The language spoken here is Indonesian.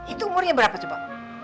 itu umurnya berapa coba